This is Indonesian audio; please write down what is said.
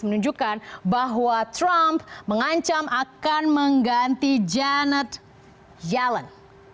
menunjukkan bahwa trump mengancam akan mengganti janet yellen